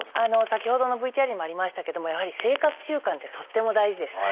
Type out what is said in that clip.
先ほどのＶＴＲにもありましたけどもやはり生活習慣ってとっても大事です。